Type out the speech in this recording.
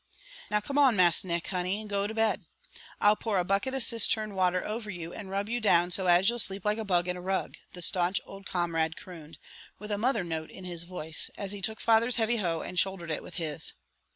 "Now, come on, Mas' Nick, honey, and go to bed. I'll pour a bucket of cistern water over you and rub you down so as you'll sleep like a bug in a rug," the staunch old comrade crooned, with a mother note in his voice, as he took father's heavy hoe and shouldered it with his.